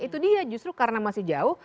itu dia justru karena masih jauh